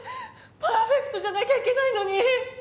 パーフェクトじゃなきゃいけないのに。